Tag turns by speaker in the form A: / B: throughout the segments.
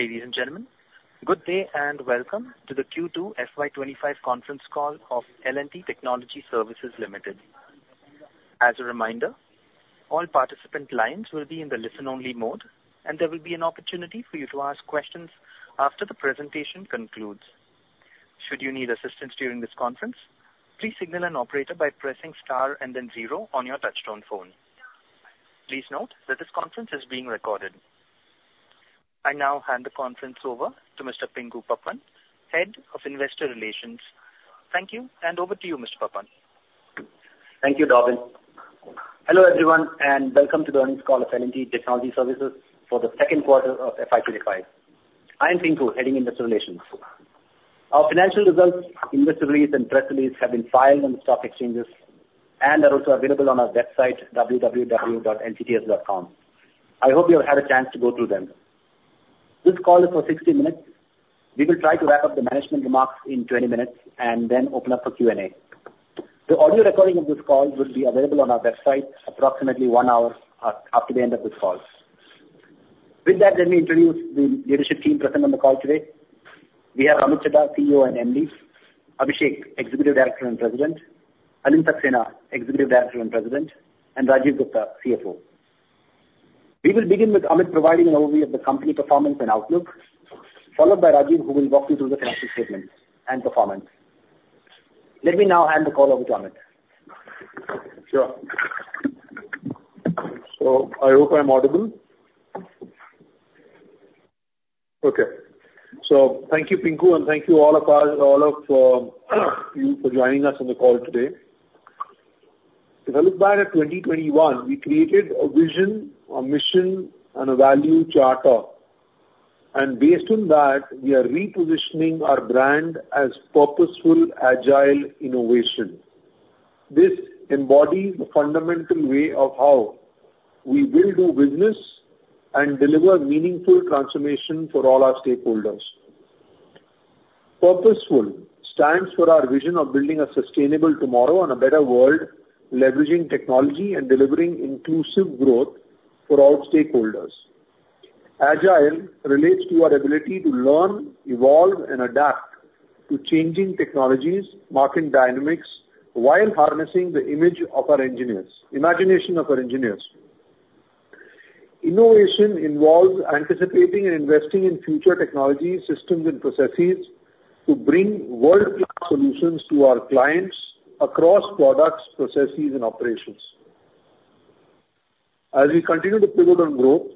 A: Ladies and gentlemen, good day, and welcome to the Q2 FY 2025 conference call of L&T Technology Services Limited. As a reminder, all participant lines will be in the listen-only mode, and there will be an opportunity for you to ask questions after the presentation concludes. Should you need assistance during this conference, please signal an operator by pressing star and then zero on your touchtone phone. Please note that this conference is being recorded. I now hand the conference over to Mr. Pinku Pappan, Head of Investor Relations. Thank you, and over to you, Mr. Pappan.
B: Thank you, Davin. Hello, everyone, and welcome to the earnings call of L&T Technology Services for the Q2 of FY 2025. I am Pinku, heading Investor Relations. Our financial results, investor release and press release have been filed on the stock exchanges and are also available on our website, www.ltts.com. I hope you have had a chance to go through them. This call is for sixty minutes. We will try to wrap up the management remarks in twenty minutes and then open up for Q&A. The audio recording of this call will be available on our website approximately one hour after the end of this call. With that, let me introduce the leadership team present on the call today. We have Amit Chadha, CEO and MD; Abhishek, Executive Director and President; Alind Saxena, Executive Director and President; and Rajeev Gupta, CFO. We will begin with Amit providing an overview of the company performance and outlook, followed by Rajeev, who will walk you through the financial statements and performance. Let me now hand the call over to Amit.
C: Sure. So I hope I'm audible. Okay. So thank you, Pinku, and thank you all of you for joining us on the call today. If I look back at 2021, we created a vision, a mission and a value charter, and based on that, we are repositioning our brand as purposeful, agile innovation. This embodies the fundamental way of how we will do business and deliver meaningful transformation for all our stakeholders. Purposeful stands for our vision of building a sustainable tomorrow and a better world, leveraging technology and delivering inclusive growth for all stakeholders. Agile relates to our ability to learn, evolve, and adapt to changing technologies, market dynamics, while harnessing the imagination of our engineers. Innovation involves anticipating and investing in future technologies, systems, and processes to bring world-class solutions to our clients across products, processes and operations. As we continue to pivot on growth,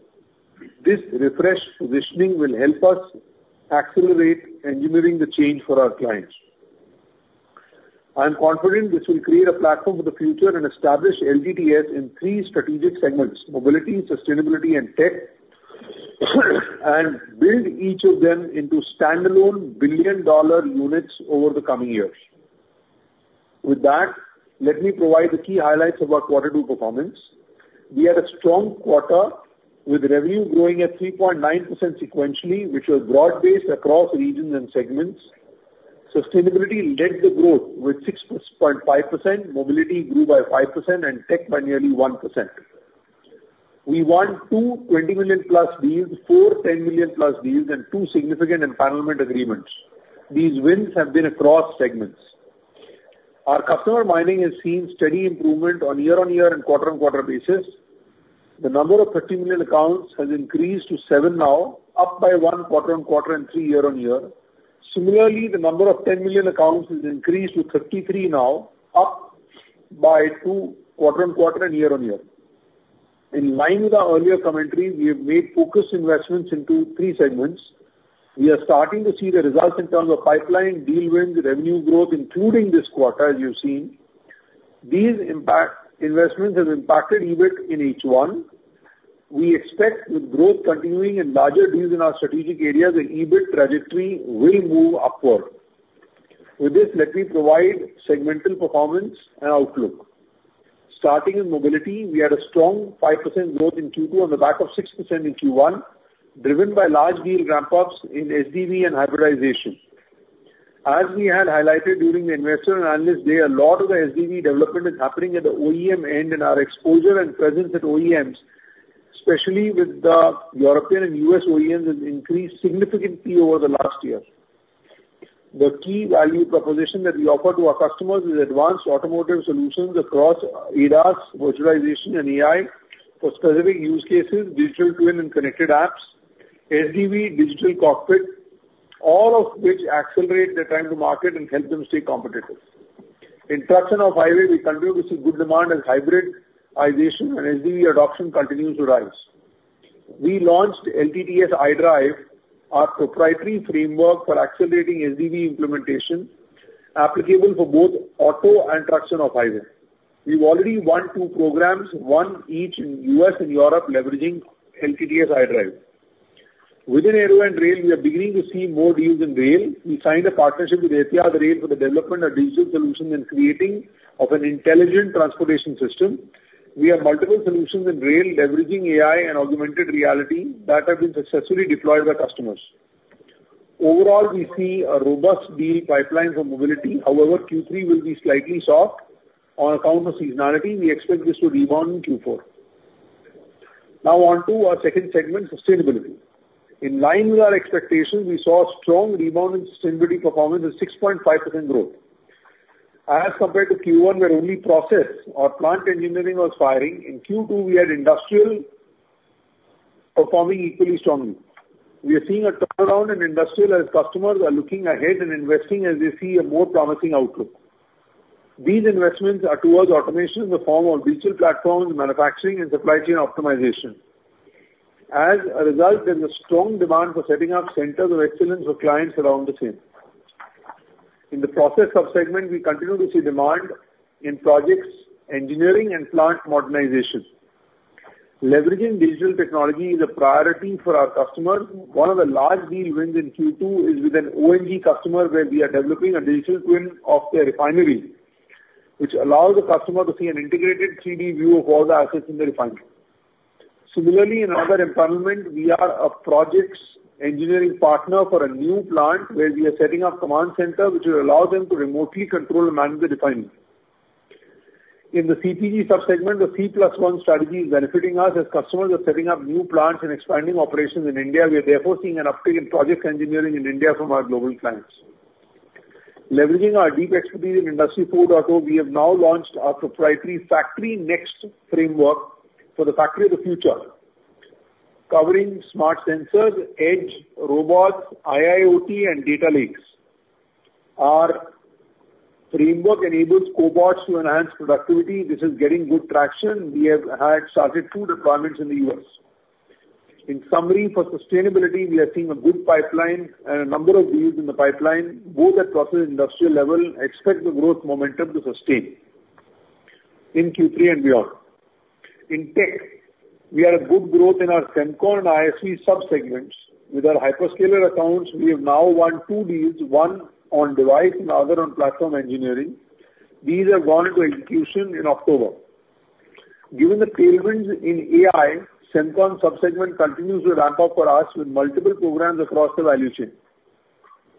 C: this refreshed positioning will help us accelerate engineering the change for our clients. I am confident this will create a platform for the future and establish LTTS in three strategic segments: Mobility, Sustainability, and Tech, and build each of them into standalone billion-dollar units over the coming years. With that, let me provide the key highlights of our Q2 performance. We had a strong quarter, with revenue growing at 3.9% sequentially, which was broad-based across regions and segments. Sustainability led the growth with 6.5%. Mobility grew by 5% and tech by nearly 1%. We won two $20 million-plus deals, four $10 million-plus deals and two significant empowerment agreements. These wins have been across segments. Our customer mining has seen steady improvement on year-on-year and quarter-on-quarter basis. The number of 30 million accounts has increased to 7 now, up by 1 quarter-on-quarter and 3 year-on-year. Similarly, the number of 10 million accounts has increased to 33 now, up by 2 quarter-on-quarter and year-on-year. In line with our earlier commentary, we have made focused investments into three segments. We are starting to see the results in terms of pipeline, deal wins, revenue growth, including this quarter, as you've seen. These investments have impacted EBIT in H1. We expect with growth continuing in larger deals in our strategic areas, the EBIT trajectory will move upward. With this, let me provide segmental performance and outlook. Starting with mobility, we had a strong 5% growth in Q2 on the back of 6% in Q1, driven by large deal ramp-ups in SDV and hybridization. As we had highlighted during the Investor and Analyst Day, a lot of the SDV development is happening at the OEM end, and our exposure and presence at OEMs, especially with the European and U.S. OEMs, has increased significantly over the last year. The key value proposition that we offer to our customers is advanced automotive solutions across ADAS, virtualization and AI for specific use cases, digital twin and connected apps, SDV, digital cockpit, all of which accelerate their time to market and help them stay competitive. In off-highway, we continue to see good demand as hybridization and SDV adoption continues to rise. We launched LTTS iDrive, our proprietary framework for accelerating SDV implementation, applicable for both auto and off-highway. We've already won two programs, one each in U.S. and Europe, leveraging LTTS iDrive. Within aero and rail, we are beginning to see more deals in rail. We signed a partnership with ETF Rail for the development of digital solutions and creating of an intelligent transportation system. We have multiple solutions in rail, leveraging AI and augmented reality that have been successfully deployed by customers. Overall, we see a robust deal pipeline for mobility. However, Q3 will be slightly soft on account of seasonality. We expect this to rebound in Q4. Now on to our second segment, sustainability. In line with our expectations, we saw a strong rebound in sustainability performance with 6.5% growth. As compared to Q1, where only process or plant engineering was firing, in Q2, we had industrial performing equally strongly. We are seeing a turnaround in industrial as customers are looking ahead and investing as they see a more promising outlook. These investments are towards automation in the form of digital platforms, manufacturing, and supply chain optimization. As a result, there's a strong demand for setting up centers of excellence for clients around the same. In the process sub-segment, we continue to see demand in projects, engineering, and plant modernization. Leveraging digital technology is a priority for our customers. One of the large deal wins in Q2 is with an O&G customer, where we are developing a digital twin of their refinery, which allows the customer to see an integrated 3D view of all the assets in the refinery. Similarly, in other environment, we are a projects engineering partner for a new plant, where we are setting up command center, which will allow them to remotely control and manage the refinery. In the CPG sub-segment, the C-plus-one strategy is benefiting us, as customers are setting up new plants and expanding operations in India. We are therefore seeing an uptick in project engineering in India from our global clients. Leveraging our deep expertise in Industry 4.0, we have now launched our proprietary Factory Next framework for the factory of the future, covering smart sensors, edge, robots, IIoT, and data lakes. Our framework enables cobots to enhance productivity. This is getting good traction. We have started two deployments in the U.S. In summary, for sustainability, we are seeing a good pipeline and a number of deals in the pipeline, both at process and industrial level. Expect the growth momentum to sustain in Q3 and beyond. In tech, we had a good growth in our Semcon and ISV sub-segments. With our hyperscaler accounts, we have now won two deals, one on device and the other on platform engineering. These have gone into execution in October. Given the tailwinds in AI, Semcon sub-segment continues to ramp up for us with multiple programs across the value chain.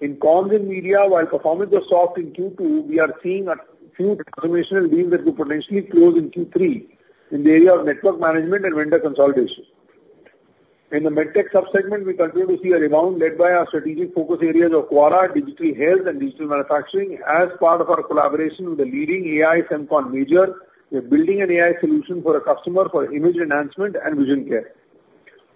C: In comms and media, while performance was soft in Q2, we are seeing a few transformational deals that could potentially close in Q3 in the area of network management and vendor consolidation. In the MedTech sub-segment, we continue to see a rebound led by our strategic focus areas of QARA, digital health, and digital manufacturing. As part of our collaboration with the leading AI Semcon major, we are building an AI solution for a customer for image enhancement and vision care.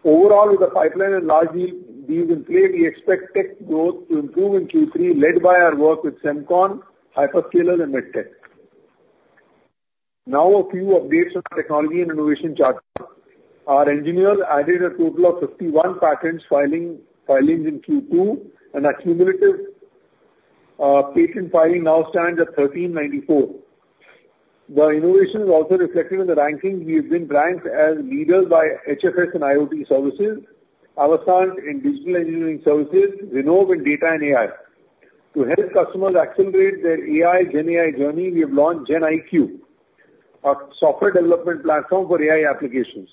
C: Overall, with the pipeline and large deals in play, we expect tech growth to improve in Q3, led by our work with Semcon, Hyperscaler and MedTech. Now, a few updates on technology and innovation charter. Our engineers added a total of 51 patent filings in Q2, and cumulative patent filings now stand at 1,394. The innovation is also reflected in the ranking. We have been ranked as leaders by HFS in IoT services, Avasant in digital engineering services, Zinnov in data and AI. To help customers accelerate their AI, GenAI journey, we have launched GenIQ, our software development platform for AI applications.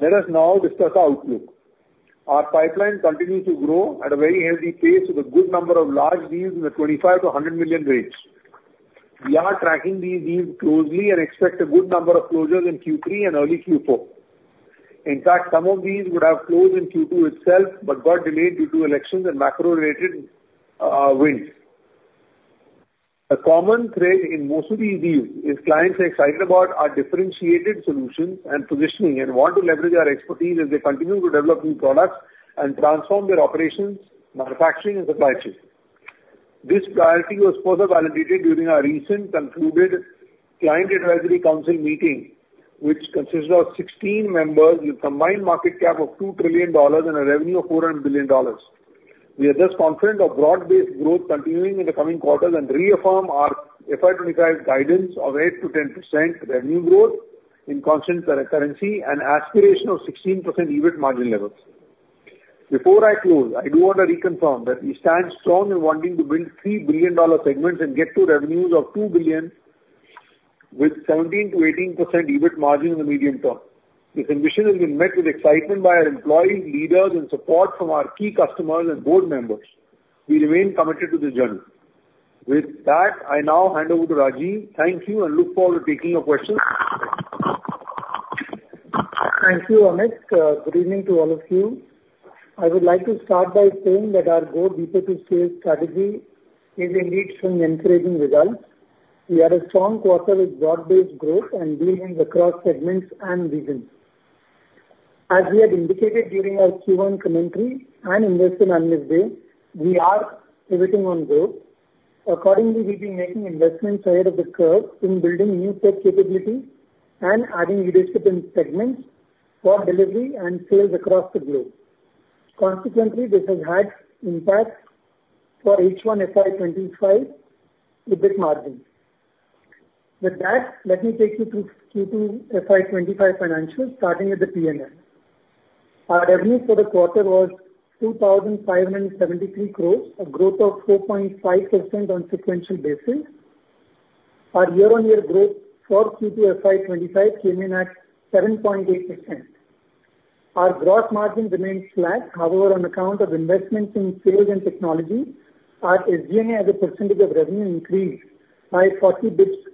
C: Let us now discuss our outlook. Our pipeline continues to grow at a very healthy pace, with a good number of large deals in the $25 million to 100 million range. We are tracking these deals closely and expect a good number of closures in Q3 and early Q4. In fact, some of these would have closed in Q2 itself, but got delayed due to elections and macro-related winds. A common thread in most of these deals is clients are excited about our differentiated solutions and positioning, and want to leverage our expertise as they continue to develop new products and transform their operations, manufacturing, and supply chain. This priority was further validated during our recently concluded Client Advisory Council meeting, which consists of 16 members with a combined market cap of $2 trillion and a revenue of $400 billion. We are just confident of broad-based growth continuing in the coming quarters and reaffirm our FY 2025 guidance of 8% to 10% revenue growth in constant currency and aspiration of 16% EBIT margin levels. Before I close, I do want to reconfirm that we stand strong in wanting to build three billion-dollar segments and get to revenues of $2 billion with 17% to 18% EBIT margin in the medium term. This ambition has been met with excitement by our employees, leaders, and support from our key customers and board members. We remain committed to this journey. With that, I now hand over to Rajeev. Thank you, and look forward to taking your questions.
D: Thank you, Amit. Good evening to all of you. I would like to start by saying that our Go Deeper to Stay strategy is indeed showing encouraging results. We had a strong quarter with broad-based growth and deals across segments and regions. As we had indicated during our Q1 commentary and Investor Analyst Day, we are pivoting on growth. Accordingly, we've been making investments ahead of the curve in building new tech capabilities and adding distinct segments for delivery and sales across the globe. Consequently, this has had impact for H1 FY 2025 EBIT margins. With that, let me take you through Q2 FY 2025 financials, starting with the P&L. Our revenue for the quarter was 2,573 crores, a growth of 4.5% on sequential basis. Our year-on-year growth for Q2 FY 2025 came in at 7.8%. Our gross margin remains flat, however, on account of investments in sales and technology, our SG&A as a percentage of revenue increased by 40 basis points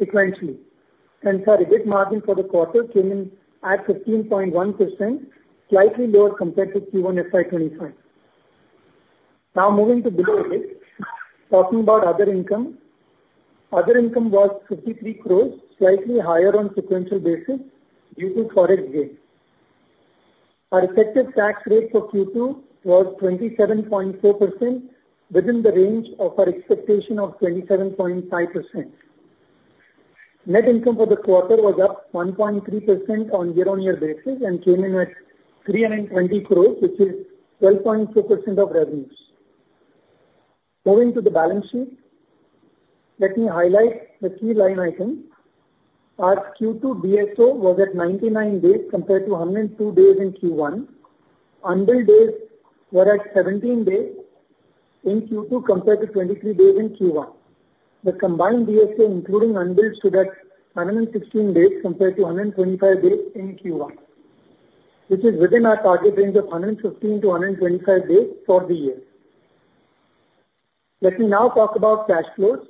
D: sequentially, and our EBIT margin for the quarter came in at 15.1%, slightly lower compared to Q1 FY 2025. Now moving to below EBIT. Talking about other income, other income was 53 crores, slightly higher on sequential basis due to Forex gains. Our effective tax rate for Q2 was 27.4%, within the range of our expectation of 27.5%. Net income for the quarter was up 1.3% on year-on-year basis and came in at 320 crores, which is 12.2% of revenues. Moving to the balance sheet, let me highlight the key line items. Our Q2 DSO was at 99 days compared to 102 days in Q1. Unbilled days were at 17 days in Q2, compared to 23 days in Q1. The combined DSO, including unbilled, stood at 116 days compared to 125 days in Q1, which is within our target range of 115 to 125 days for the year. Let me now talk about cash flows.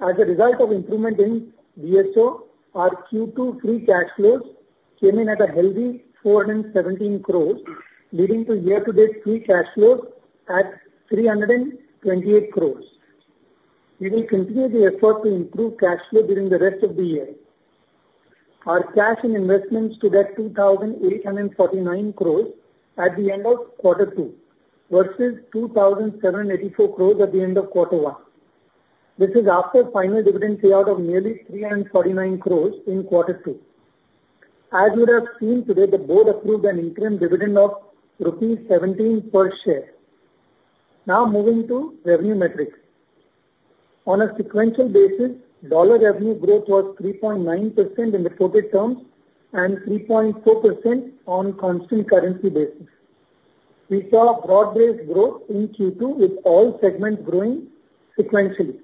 D: As a result of improvement in DSO, our Q2 free cash flows came in at a healthy 417 crores, leading to year-to-date free cash flows at 328 crores. We will continue the effort to improve cash flow during the rest of the year. Our cash and investments stood at 2,849 crores at the end of Q2, versus 2,784 crores at the end of Q1. This is after final dividend payout of nearly 349 crore in Q2. As you would have seen today, the board approved an interim dividend of rupees 17 per share. Now moving to revenue metrics. On a sequential basis, dollar revenue growth was 3.9% in the quoted terms and 3.4% on constant currency basis. We saw broad-based growth in Q2, with all segments growing sequentially,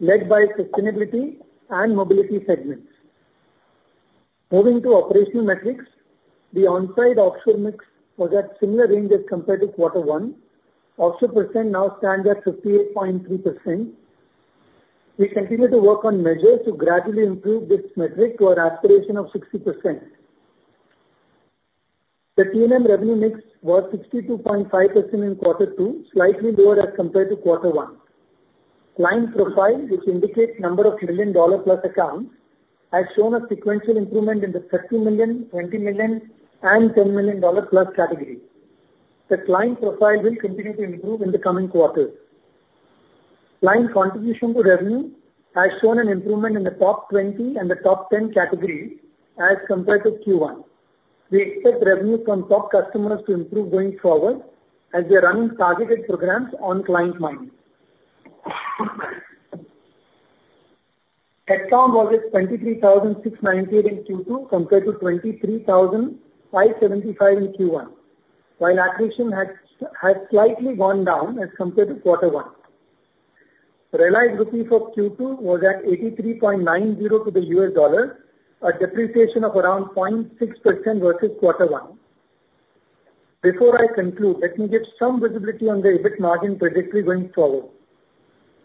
D: led by Sustainability and Mobility segments. Moving to operational metrics, the on-site offshore mix was at similar range as compared to Q1. Offshore percent now stand at 58.3%. We continue to work on measures to gradually improve this metric to our aspiration of 60%. The T&M revenue mix was 62.5% in Q2, slightly lower as compared to Q1. Client profile, which indicates number of $1 million plus accounts, has shown a sequential improvement in the $30 million, $20 million and $10 million plus category. The client profile will continue to improve in the coming quarters. Client contribution to revenue has shown an improvement in the top 20 and the top 10 category as compared to Q1. We expect revenue from top customers to improve going forward, as we are running targeted programs on client mining. Account was at 23,698 in Q2, compared to 23,575 in Q1, while accretion has slightly gone down as compared to Q1. Realized rupee for Q2 was at 83.90 to the U.S. dollar, a depreciation of around 0.6% versus Q1. Before I conclude, let me give some visibility on the EBIT margin trajectory going forward.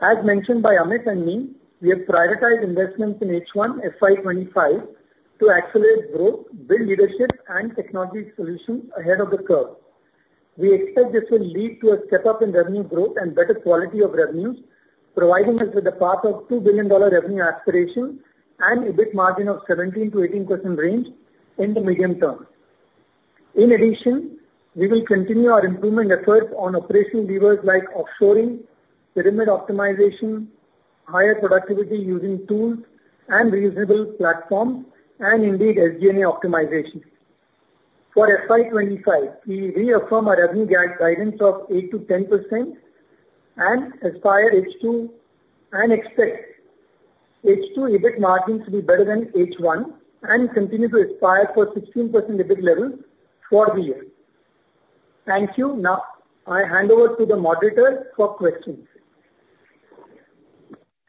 D: As mentioned by Amit and me, we have prioritized investments in H1 FY 2025 to accelerate growth, build leadership and technology solutions ahead of the curve. We expect this will lead to a step up in revenue growth and better quality of revenues, providing us with a path of $2 billion revenue aspiration and 17% to 18% EBIT margin range in the medium term. In addition, we will continue our improvement efforts on operational levers like offshoring, pyramid optimization, higher productivity using tools and reasonable platforms, and indeed, SG&A optimization. For FY 2025, we reaffirm our revenue guidance of 8% to 10% and aspire H2 and expect H2 EBIT margins to be better than H1 and continue to aspire for 16% EBIT level for the year. Thank you. Now, I hand over to the moderator for questions.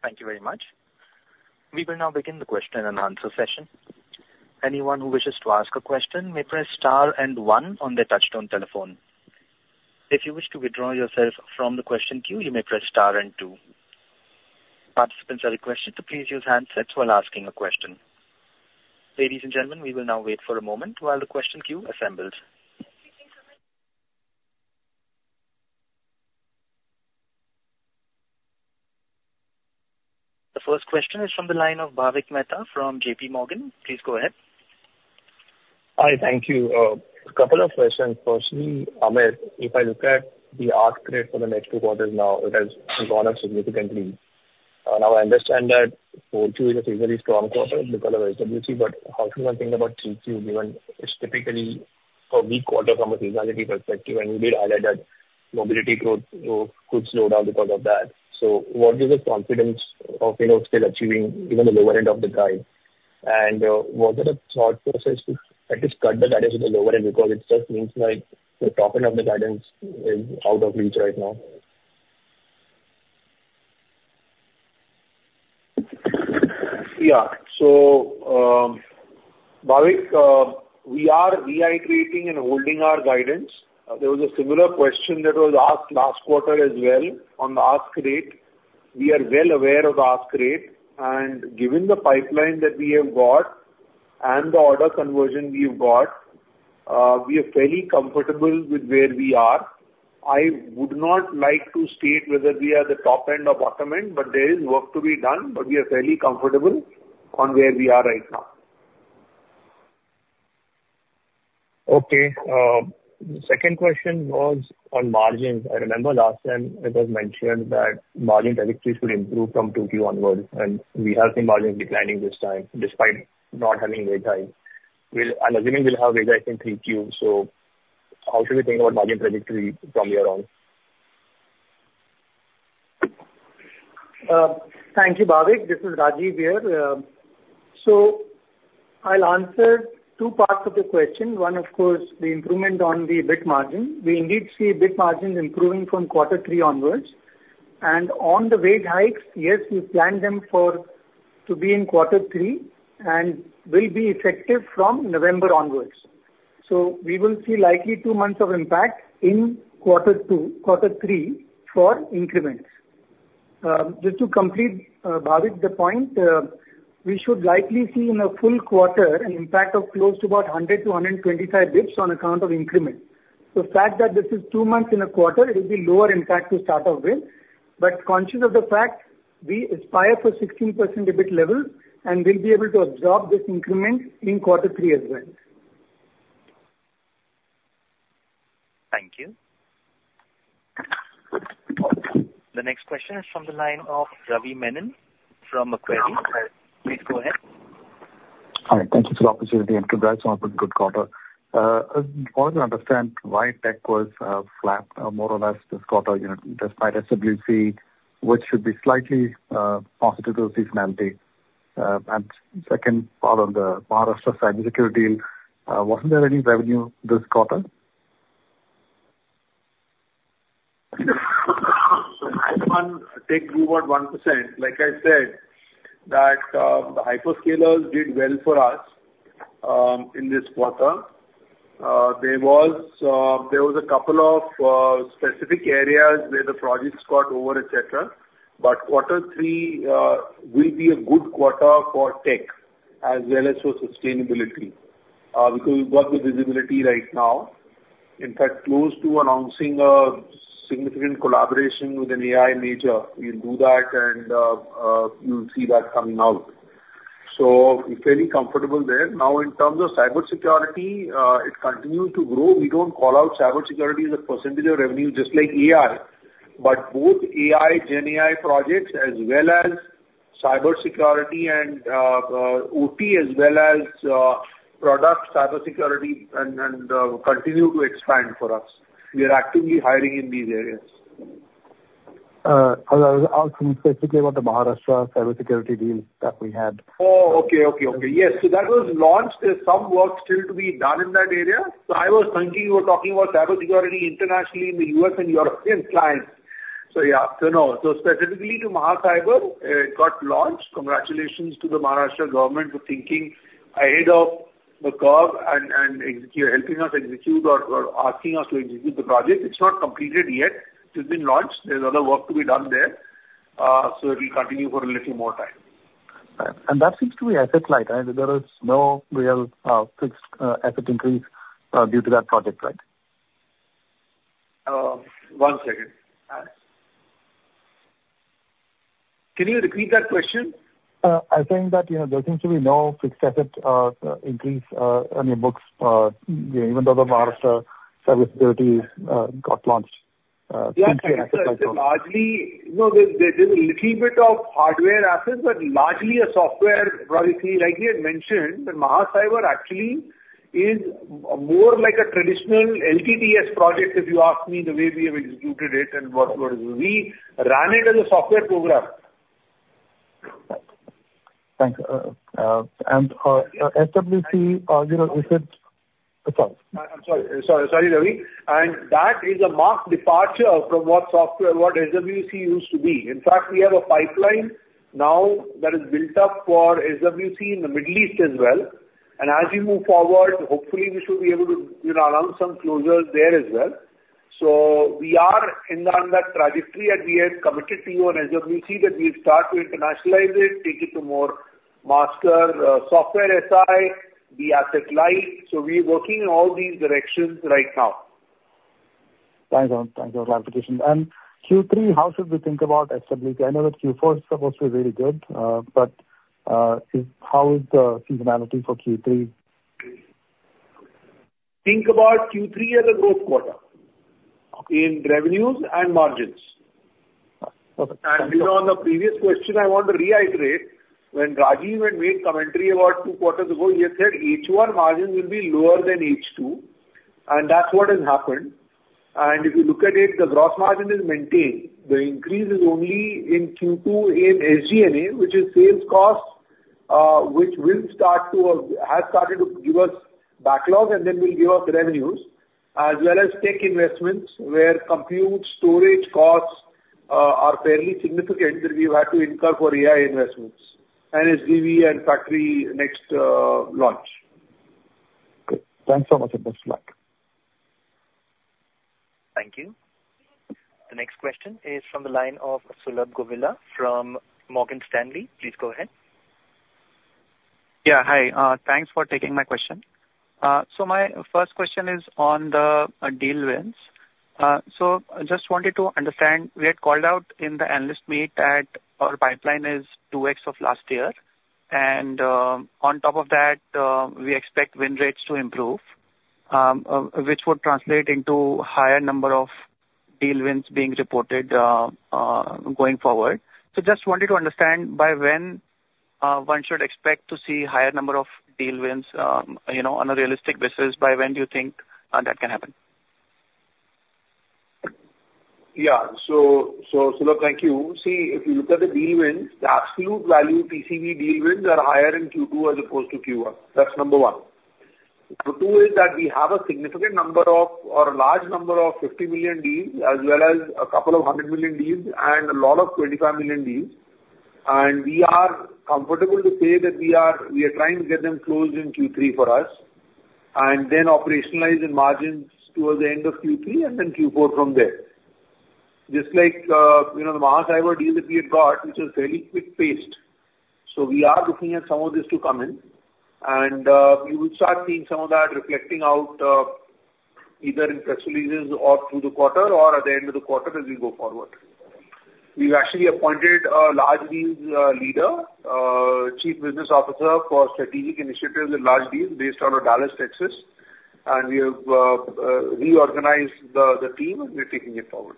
A: Thank you very much. We will now begin the question and answer session. Anyone who wishes to ask a question may press star and one on their touch-tone telephone. If you wish to withdraw yourself from the question queue, you may press star and two. Participants are requested to please use handsets while asking a question. Ladies and gentlemen, we will now wait for a moment while the question queue assembles. The first question is from the line of Bhavik Mehta from JPMorgan. Please go ahead.
E: Hi. Thank you. A couple of questions. Firstly, Amit, if I look at the attrition rate for the next two quarters now, it has gone up significantly. Now I understand that Q2 is a very strong quarter because of SWC, but how should one think about Q3, given it's typically a weak quarter from a seasonality perspective, and you did highlight that mobility growth could slow down because of that. So what is the confidence of, you know, still achieving even the lower end of the guide? And was it a thought process to at least cut the guidance to the lower end? Because it just means like the top end of the guidance is out of reach right now.
C: Yeah. So, Bhavik, we are reiterating and holding our guidance. There was a similar question that was asked last quarter as well on the ask rate. We are well aware of the ask rate, and given the pipeline that we have got and the order conversion we've got, we are fairly comfortable with where we are. I would not like to state whether we are the top end or bottom end, but there is work to be done, but we are fairly comfortable on where we are right now.
E: Okay. Second question was on margins. I remember last time it was mentioned that margin trajectory should improve from 2Q onwards, and we have seen margins declining this time, despite not having wage hikes. We'll, I'm assuming we'll have wage hikes in 3Q. So how should we think about margin trajectory from here on?
D: Thank you, Bhavik. This is Rajeev here. So I'll answer two parts of the question. One, of course, the improvement on the EBIT margin. We indeed see EBIT margins improving from Q3 onwards. And on the wage hikes, yes, we plan them for, to be in Q3, and will be effective from November onwards. So we will see likely two months of impact in Q2, Q3 for increments. Just to complete, Bhavik, the point, we should likely see in a full quarter an impact of close to about 100 to 125 basis points on account of increments. The fact that this is two months in a quarter, it will be lower impact to start off with, but conscious of the fact we aspire for 16% EBIT level, and we'll be able to absorb this increment in Q3 as well.
E: Thank you.
A: The next question is from the line of Ravi Menon from Macquarie. Please go ahead.
F: Hi, thank you for the opportunity, and congrats on a good quarter. I want to understand why tech was flat, more or less this quarter, you know, despite SWC, which should be slightly positive to seasonality. And second part on the Maharashtra cybersecurity deal, wasn't there any revenue this quarter?
C: So as one tech grew at 1%, like I said, that, the hyperscalers did well for us, in this quarter. There was, there was a couple of, specific areas where the projects got over, et cetera. But Q3, will be a good quarter for tech as well as for sustainability, because we've got the visibility right now. In fact, close to announcing a significant collaboration with an AI major. We'll do that, and, you'll see that coming out. So we're fairly comfortable there. Now, in terms of cybersecurity, it continues to grow. We don't call out cybersecurity as a percentage of revenue, just like AI, but both AI, GenAI projects, as well as cybersecurity and, OT, as well as, product cybersecurity and, and, continue to expand for us. We are actively hiring in these areas.
F: I was asking specifically about the Maharashtra cybersecurity deal that we had.
C: Yes. So that was launched. There's some work still to be done in that area. So I was thinking you were talking about cybersecurity internationally in the U.S. and European clients. So, yeah, so no. So specifically to Maha Cyber, it got launched. Congratulations to the Maharashtra government for thinking ahead of the curve and you're helping us execute or asking us to execute the project. It's not completed yet. It's been launched. There's a lot of work to be done there. So it will continue for a little more time.
F: And that seems to be asset light, and there is no real, fixed, asset increase, due to that project, right?
C: One second. Can you repeat that question?
F: I think that, you know, there seems to be no fixed asset increase on your books, even though the Maharashtra cybersecurity got launched.
C: Yeah. Largely, you know, there's a little bit of hardware assets, but largely a software project. Like we had mentioned, the Maha Cyber actually is more like a traditional LTTS project, if you ask me, the way we have executed it and what we're doing. We ran it as a software program.
F: Thanks. And SWC, you know, we said... Sorry.
C: I'm sorry. Sorry, sorry, Ravi. And that is a marked departure from what software, what SWC used to be. In fact, we have a pipeline now that is built up for SWC in the Middle East as well. And as you move forward, hopefully we should be able to, you know, announce some closures there as well. So we are in on that trajectory, and we have committed to you on SWC that we'll start to internationalize it, take it to more mature software SI, be asset light. So we're working in all these directions right now.
F: Thanks a lot. Thank you for the clarification. And Q3, how should we think about SWC? I know that Q4 is supposed to be really good, but, how is the seasonality for Q3?
C: Think about Q3 as a growth quarter.
F: Okay
C: in revenues and margins.
F: Okay.
C: And on the previous question, I want to reiterate, when Rajeev had made commentary about two quarters ago, he had said H1 margins will be lower than H2. And that's what has happened. And if you look at it, the gross margin is maintained. The increase is only in Q2 in SG&A, which is sales cost, which will start to or has started to give us backlog and then will give us revenues, as well as tech investments, where compute storage costs are fairly significant that we've had to incur for AI investments and SDV and Factory Next launch.
F: Good. Thanks so much, and best of luck.
A: Thank you. The next question is from the line of Sulabh Govila from Morgan Stanley. Please go ahead.
G: Yeah, hi. Thanks for taking my question. So my first question is on the deal wins. So just wanted to understand, we had called out in the analyst meet that our pipeline is two X of last year, and on top of that, we expect win rates to improve, which would translate into higher number of deal wins being reported going forward. So just wanted to understand by when one should expect to see higher number of deal wins, you know, on a realistic basis, by when do you think that can happen?
C: Yeah. So, so Sulabh, thank you. See, if you look at the deal wins, the absolute value TCV deal wins are higher in Q2 as opposed to Q1. That's number one. Number two is that we have a significant number of or a large number of $50 million deals, as well as a couple of $100 million deals and a lot of $25 million deals. And we are comfortable to say that we are, we are trying to get them closed in Q3 for us, and then operationalize in margins towards the end of Q3 and then Q4 from there. Just like, you know, the Maha Cyber deal that we had got, which was very quick-paced. So we are looking at some of this to come in, and, you will start seeing some of that reflecting out, either in press releases or through the quarter or at the end of the quarter as we go forward. We've actually appointed a large deals leader, Chief Business Officer for strategic initiatives and large deals based out of Dallas, Texas. And we have reorganized the team, and we're taking it forward.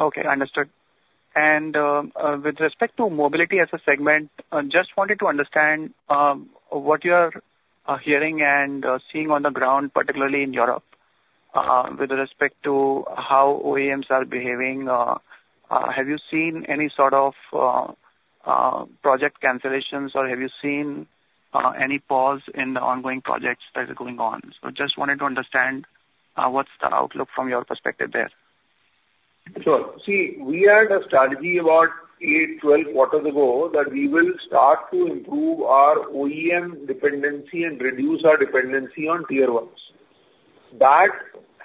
G: Okay, understood. And with respect to mobility as a segment, just wanted to understand what you are hearing and seeing on the ground, particularly in Europe, with respect to how OEMs are behaving. Have you seen any sort of project cancellations, or have you seen any pause in the ongoing projects that are going on? So just wanted to understand what's the outlook from your perspective there?
C: Sure. See, we had a strategy about eight, 12 quarters ago that we will start to improve our OEM dependency and reduce our dependency on tier ones. That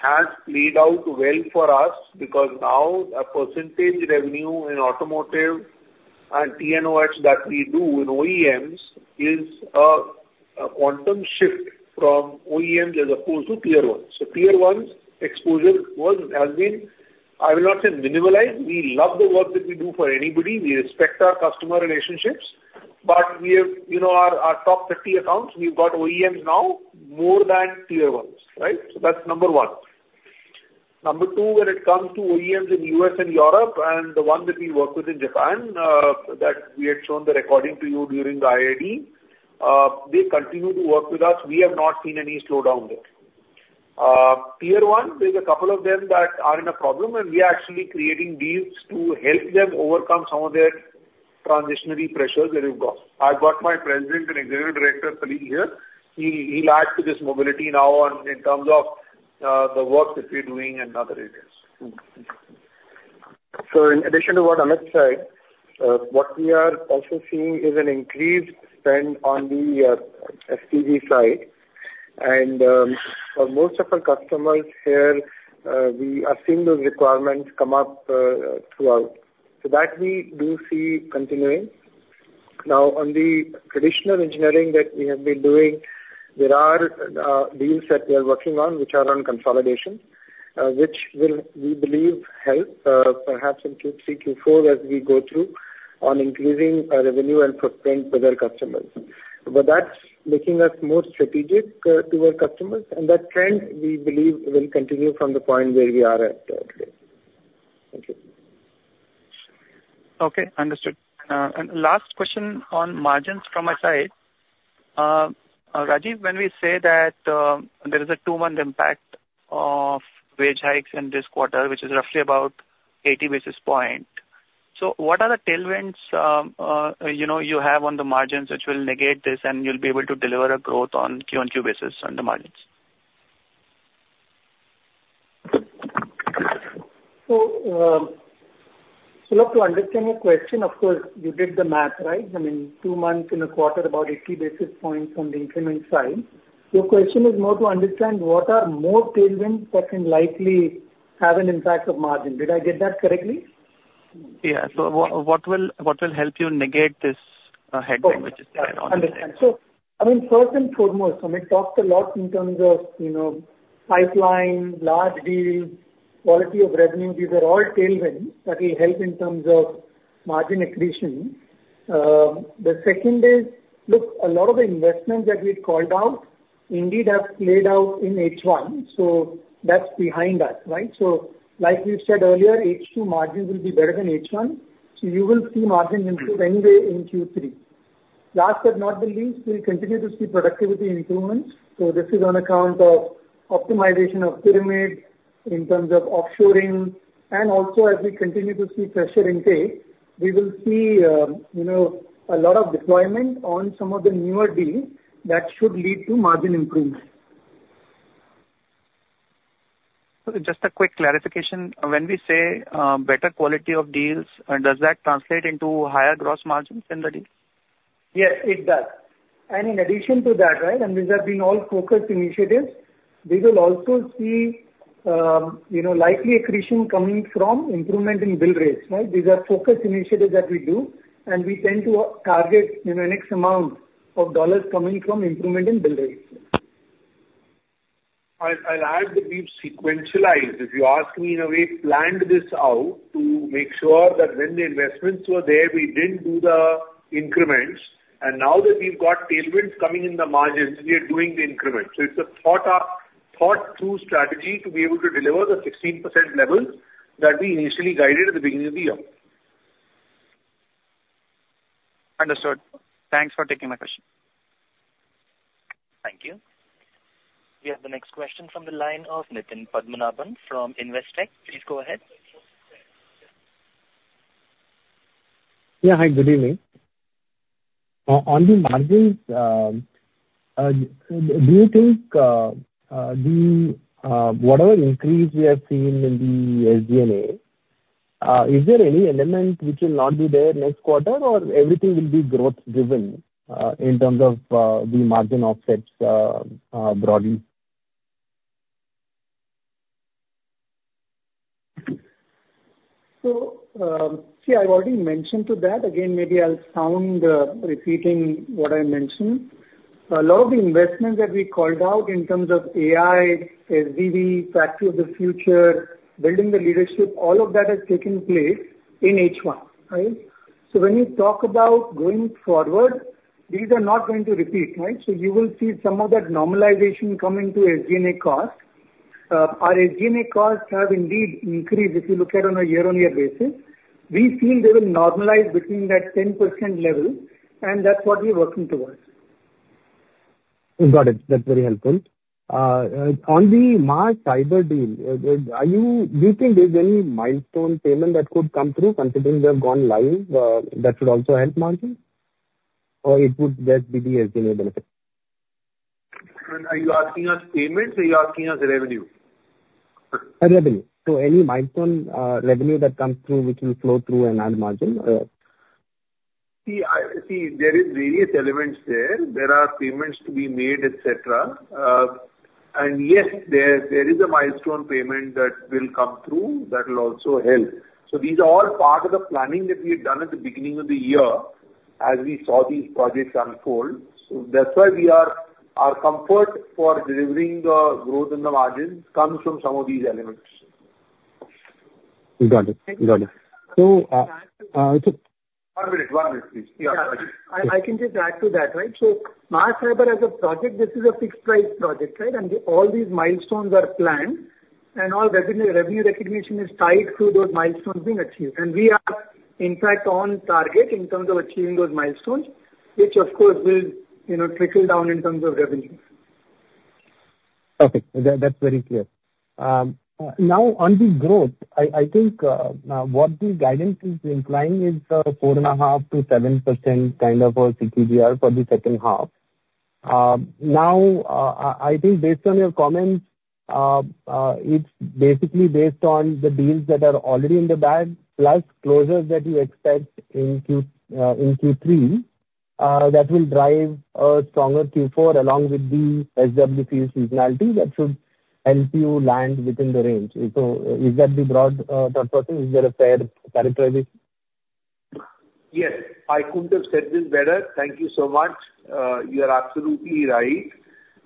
C: has played out well for us because now a percentage revenue in automotive and non-auto that we do in OEMs is a, a quantum shift from OEMs as opposed to tier ones. So tier ones exposure was, has been, I will not say minimized. We love the work that we do for anybody. We respect our customer relationships, but we have, you know, our, our top 30 accounts, we've got OEMs now more than tier ones, right? So that's number one. Number two, when it comes to OEMs in U.S. and Europe, and the one that we work with in Japan, that we had shown the recording to you during the IID, they continue to work with us. We have not seen any slowdown there. Tier one, there's a couple of them that are in a problem, and we are actually creating deals to help them overcome some of their transitionary pressures that they've got. I've got my President and Executive Director, Alind, here. He, he'll add to this mobility now on in terms of the work that we're doing in other areas.
D: So in addition to what Amit said, what we are also seeing is an increased spend on the SDV side. And for most of our customers here, we are seeing those requirements come up throughout. So that we do see continuing. Now, on the traditional engineering that we have been doing, there are deals that we are working on, which are on consolidation, which will, we believe, help perhaps in Q3, Q4, as we go through on increasing our revenue and footprint with our customers. But that's making us more strategic to our customers, and that trend, we believe, will continue from the point where we are at today. Thank you.
G: Okay, understood. And last question on margins from my side. Rajeev, when we say that there is a two-month impact of wage hikes in this quarter, which is roughly about eighty basis point, so what are the tailwinds, you know, you have on the margins, which will negate this, and you'll be able to deliver a growth on Q-on-Q basis on the margins?
D: So, Sulabh, to understand your question, of course, you did the math, right? I mean, two months in a quarter, about eighty basis points from the increment side. Your question is more to understand what are more tailwinds that can likely have an impact of margin. Did I get that correctly?
G: Yeah. So what will help you negate this headwind, which is there on this?
D: Understand. So, I mean, first and foremost, Amit talked a lot in terms of, you know, pipeline, large deals, quality of revenue. These are all tailwinds that will help in terms of margin accretion. The second is, look, a lot of the investments that we had called out indeed have played out in H1, so that's behind us, right? So like we said earlier, H2 margins will be better than H1, so you will see margin improve anyway in Q3. Last but not the least, we'll continue to see productivity improvements. So this is on account of optimization of pyramid in terms of offshoring, and also as we continue to see fresher intake, we will see, you know, a lot of deployment on some of the newer deals that should lead to margin improvements.
G: Just a quick clarification. When we say, better quality of deals, does that translate into higher gross margins in the deal?
D: Yes, it does, and in addition to that, right, and these have been all focused initiatives, we will also see, you know, likely accretion coming from improvement in bill rates, right? These are focused initiatives that we do, and we tend to target, you know, an X amount of dollars coming from improvement in bill rates.
C: I'll add that we've sequenced, if you ask me, in a way, planned this out to make sure that when the investments were there, we didn't do the increments, and now that we've got tailwinds coming in the margins, we are doing the increments. So it's a thought up, thought through strategy to be able to deliver the 16% level that we initially guided at the beginning of the year.
G: Understood. Thanks for taking my question.
A: Thank you. We have the next question from the line of Nitin Padmanabhan from Investec. Please go ahead.
H: Yeah, hi, good evening. On the margins, do you think the whatever increase we have seen in the SG&A, is there any element which will not be there next quarter, or everything will be growth driven, in terms of the margin offsets, broadly?
D: So, see, I've already mentioned to that. Again, maybe I'll sound repeating what I mentioned. A lot of the investments that we called out in terms of AI, SDV, Factory of the Future, building the leadership, all of that has taken place in H1, right? So when you talk about going forward, these are not going to repeat, right? So you will see some of that normalization coming to SG&A cost. Our SG&A costs have indeed increased if you look at on a year-on-year basis. We feel they will normalize between that 10% level, and that's what we're working towards.
H: Got it. That's very helpful. On the Maha Cyber deal, do you think there's any milestone payment that could come through, considering they've gone live, that should also help margin? Or it would just be the SG&A benefit?
C: Are you asking us payments or are you asking us revenue?
H: Revenue. So any milestone revenue that comes through, which will flow through and add margin?
C: See, there is various elements there. There are payments to be made, et cetera. And yes, there is a milestone payment that will come through that will also help. So these are all part of the planning that we had done at the beginning of the year as we saw these projects unfold. So that's why we are our comfort for delivering the growth in the margins comes from some of these elements.
H: Got it. Got it. So,
C: One minute, one minute, please. Yeah.
D: I can just add to that, right? So Maha Cyber as a project, this is a fixed price project, right? And all these milestones are planned and all revenue recognition is tied to those milestones being achieved. And we are in fact on target in terms of achieving those milestones, which of course will, you know, trickle down in terms of revenues.
H: Okay. That's very clear. Now, on the growth, I think what the guidance is implying is 4.5% to 7% kind of a CAGR for the second half. Now, I think based on your comments, it's basically based on the deals that are already in the bag, plus closures that you expect in Q3, that will drive a stronger Q4 along with the SWC seasonality that should help you land within the range. So is that the broad thought process? Is that a fair characterization?
C: Yes. I couldn't have said this better. Thank you so much. You are absolutely right,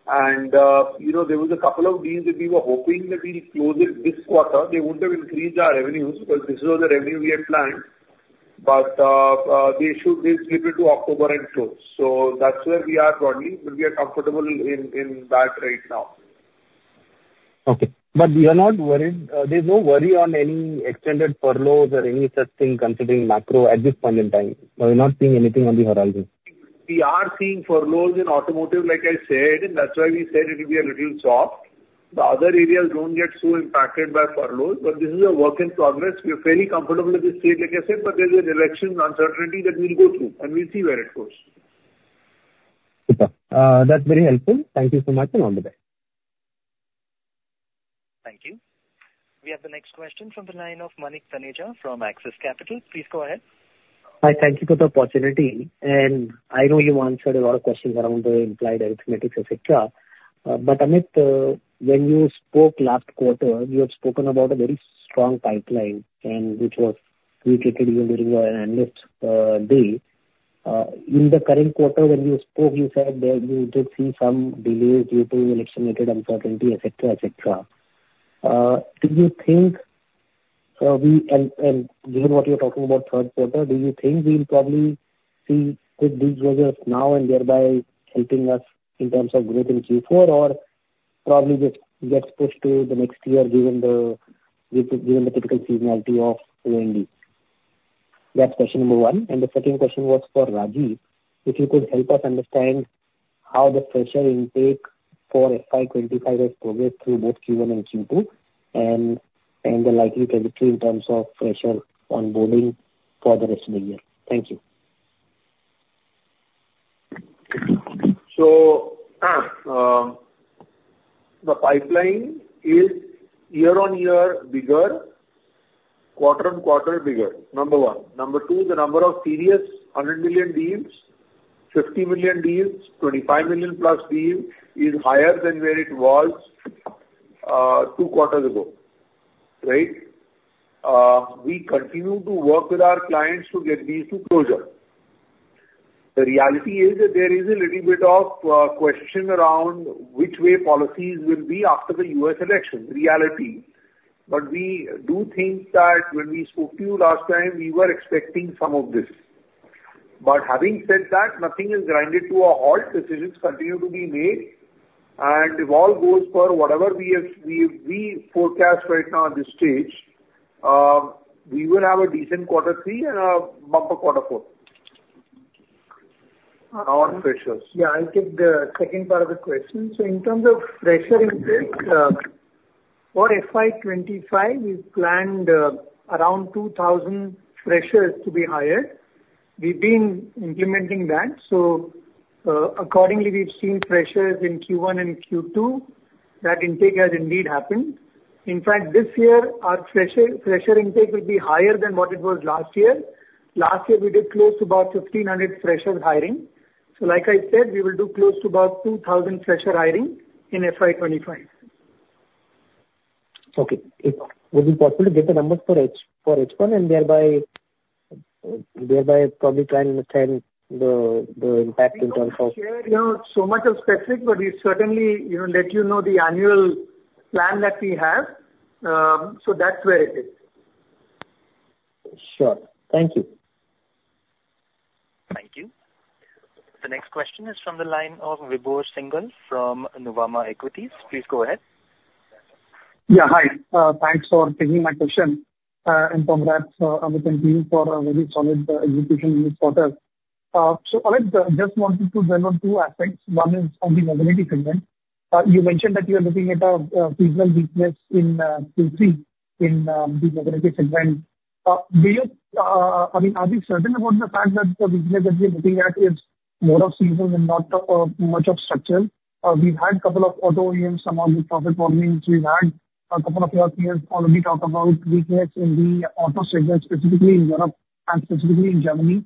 C: and you know, there was a couple of deals that we were hoping that we'll close it this quarter. They wouldn't have increased our revenues, because this was the revenue we had planned, but they should be slipped into October and close. So that's where we are broadly, but we are comfortable in that right now.
H: Okay, but you are not worried... There's no worry on any extended furloughs or any such thing considering macro at this point in time? You're not seeing anything on the horizon.
C: We are seeing furloughs in automotive, like I said, and that's why we said it will be a little soft. The other areas don't get so impacted by furloughs, but this is a work in progress. We are fairly comfortable with the state, like I said, but there's an election uncertainty that we'll go through, and we'll see where it goes.
H: Super. That's very helpful. Thank you so much, and onward then.
A: Thank you. We have the next question from the line of Manik Taneja from Axis Capital. Please go ahead.
I: Thank you for the opportunity. And I know you've answered a lot of questions around the implied arithmetic, et cetera. But Amit, when you spoke last quarter, you had spoken about a very strong pipeline and which was reiterated even during our analyst day. In the current quarter, when you spoke, you said that you did see some delays due to election-related uncertainty, et cetera, et cetera. Do you think, and given what you're talking about Q3, do you think we'll probably see good deal closures now and thereby helping us in terms of growth in Q4, or probably just gets pushed to the next year, given the typical seasonality of OND. That's question number one, and the second question was for Rajeev. If you could help us understand how the fresher intake for FY 2025 has progressed through both Q1 and Q2, and the likely trajectory in terms of fresher onboarding for the rest of the year? Thank you.
C: The pipeline is year on year bigger, quarter on quarter bigger, number one. Number two, the number of serious $100 million deals, $50 million deals, $25 million plus deals, is higher than where it was two quarters ago, right? We continue to work with our clients to get these to closure. The reality is that there is a little bit of question around which way policies will be after the U.S. election. Reality, but we do think that when we spoke to you last time, we were expecting some of this, but having said that, nothing is grinded to a halt. Decisions continue to be made, and if all goes per whatever we have, we forecast right now at this stage, we will have a decent Q3 and a bumper Q4. On freshers.
D: Yeah, I'll take the second part of the question. So in terms of fresher intake, for FY 2025, we've planned around two thousand freshers to be hired. We've been implementing that, so accordingly, we've seen freshers in Q1 and Q2. That intake has indeed happened. In fact, this year our fresher intake will be higher than what it was last year. Last year, we did close to about fifteen hundred fresher hiring. So like I said, we will do close to about two thousand fresher hiring in FY 2025.
I: Okay. Would it be possible to get the numbers for H1 and thereby probably try and understand the impact in terms of-
D: You know, so much of specific, but we certainly, you know, let you know the annual plan that we have. So that's where it is.
I: Sure. Thank you.
A: Thank you. The next question is from the line of Vibhor Singhal from Nuvama Equities. Please go ahead.
J: Yeah, hi. Thanks for taking my question, and congrats, Amit and team, for a very solid execution this quarter, so Amit, just wanted to dwell on two aspects. One is on the mobility segment. You mentioned that you are looking at a seasonal weakness in Q3 in the mobility segment. Do you, I mean, are we certain about the fact that the weakness that we are looking at is more of seasonal and not much of structural? We've had couple of auto OEMs, some of the profit warnings we've had. A couple of your peers already talked about weakness in the auto segment, specifically in Europe and specifically in Germany,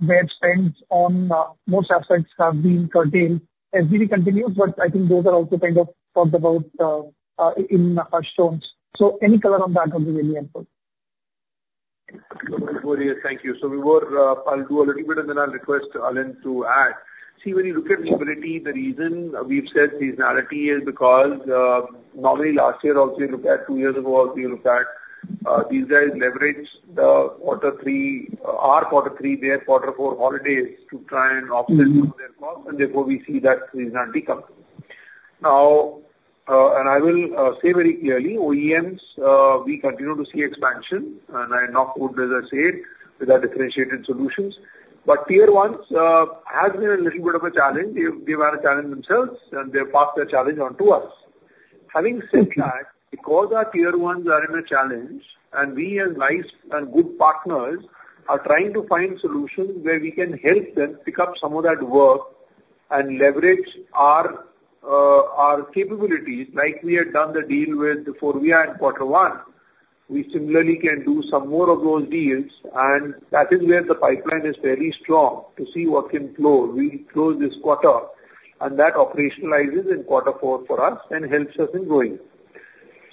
J: where spends on most aspects have been curtailed. SDV continues, but I think those are also kind of talked about in our shows. So any color on that will be very helpful.
C: Thank you. So we were, I'll do a little bit, and then I'll request Alind to add. See, when you look at mobility, the reason we've said seasonality is because, normally last year also you looked at, two years ago also you looked at, these guys leverage the Q3, our Q3, their Q4 holidays to try and offset-
J: Mm-hmm.
C: some of their costs, and therefore we see that seasonality coming. Now, and I will say very clearly, OEMs, we continue to see expansion, and I knock wood as I say it, with our differentiated solutions. But tier ones has been a little bit of a challenge. They, they've had a challenge themselves, and they've passed their challenge on to us.
J: Mm-hmm.
C: Having said that, because our tier ones are in a challenge, and we as nice and good partners are trying to find solutions where we can help them pick up some of that work and leverage our capabilities, like we had done the deal with Forvia in Q1, we similarly can do some more of those deals, and that is where the pipeline is very strong to see what can flow. We close this quarter, and that operationalizes in Q4 for us and helps us in growing.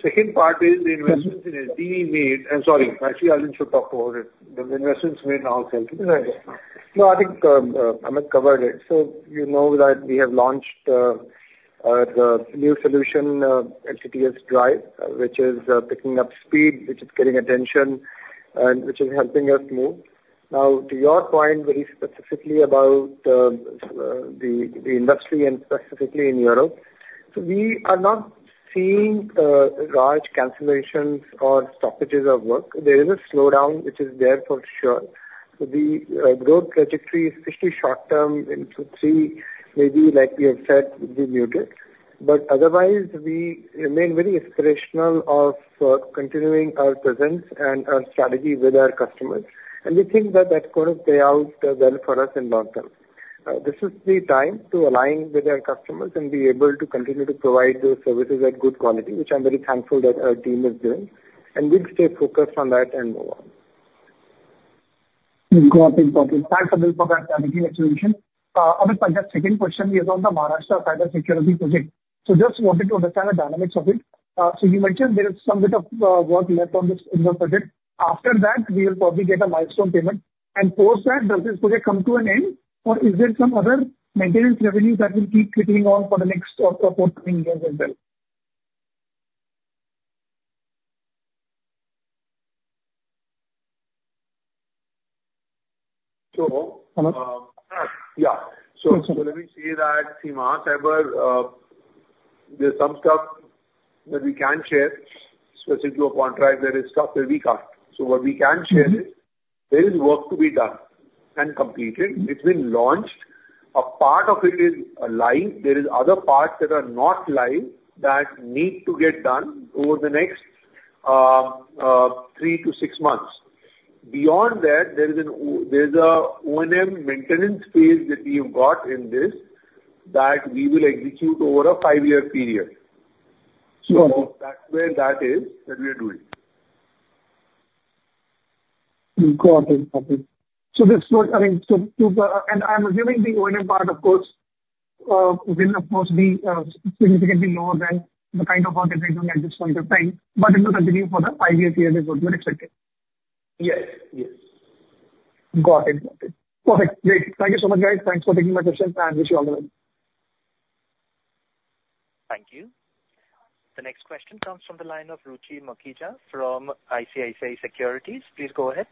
C: Second part is the investments in SD made. Sorry, actually, Alind should talk about it. The investments made in ourselves.
J: Right. No, I think, Amit covered it. So you know that we have launched the new solution, LTTS iDrive, which is picking up speed, which is getting attention, and which is helping us move. Now, to your point, very specifically about the industry and specifically in Europe, so we are not seeing large cancellations or stoppages of work. There is a slowdown, which is there for sure. So the growth trajectory, especially short term into Q3, maybe like we have said, will be muted. But otherwise, we remain very aspirational of continuing our presence and our strategy with our customers. We think that that's going to play out well for us in long term. This is the time to align with our customers and be able to continue to provide those services at good quality, which I'm very thankful that our team is doing. And we'll stay focused on that and move on. Amit, my second question is on the Maharashtra cybersecurity project. So just wanted to understand the dynamics of it. So you mentioned there is some bit of work left on this, in the project. After that, we will probably get a milestone payment, and post that, does this project come to an end, or is there some other maintenance revenue that will keep ticking on for the next or forthcoming years as well?
C: So, yeah. So, let me say that, there's some stuff that we can't share, specific to a contract, there is stuff that we can't. So what we can share is, there is work to be done and completed. It's been launched. A part of it is alive. There is other parts that are not live, that need to get done over the next, three to six months. Beyond that, there's a O&M maintenance phase that we have got in this, that we will execute over a five year period.
J: So-
C: That's where that is, that we are doing.
J: Got it. Okay. So this was, I mean, so, so, and I'm assuming the O&M part, of course, will of course be significantly lower than the kind of work that they're doing at this point of time, but it will continue for the five-year period is what you are expecting?
C: Yes, yes.
J: Got it. Got it. Perfect. Great. Thank you so much, guys. Thanks for taking my questions, and wish you all the best.
A: Thank you. The next question comes from the line of Ruchi Mukhija from ICICI Securities. Please go ahead.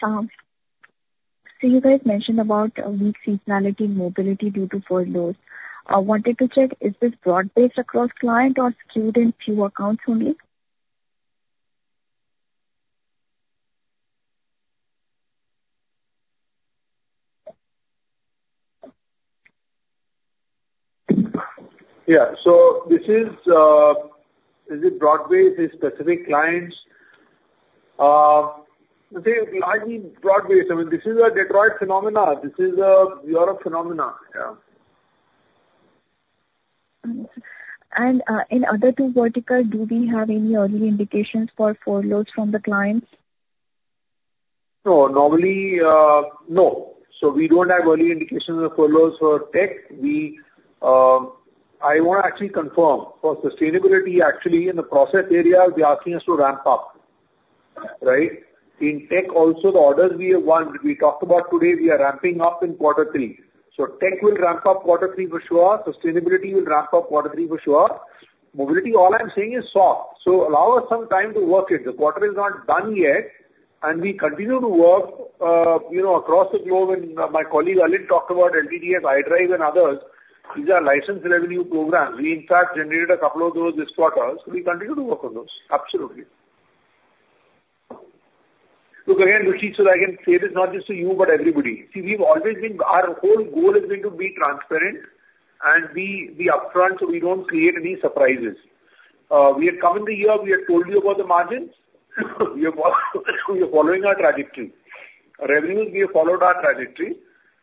K: So, you guys mentioned about a weak seasonality in mobility due to furloughs. I wanted to check, is this broad-based across client or skewed in few accounts only?
C: Yeah. So this is, is it broad-based, is specific clients? I think largely broad-based. I mean, this is a Detroit phenomenon. This is a Europe phenomenon. Yeah.
K: In other two verticals, do we have any early indications for furloughs from the clients?
C: No, normally, no. So we don't have early indications of furloughs for Tech. We, I want to actually confirm, for Sustainability actually in the process area, they're asking us to ramp up, right? In Tech also, the orders we have won, we talked about today, we are ramping up in Q3. So Tech will ramp up Q3 for sure. Sustainability will ramp up Q3 for sure. Mobility, all I'm saying is soft, so allow us some time to work it. The quarter is not done yet, and we continue to work, you know, across the globe. And my colleague, Alind, talked about LTTS and iDrive and others. These are licensed revenue programs. We in fact generated a couple of those this quarter, so we continue to work on those. Absolutely. Look, again, Ruchi, so I can say this not just to you, but everybody. See, we've always been. Our whole goal has been to be transparent and be upfront, so we don't create any surprises. We have come in the year, we have told you about the margins. We are following our trajectory. Revenues, we have followed our trajectory,